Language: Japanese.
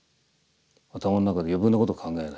頭の中で余分なことを考えない。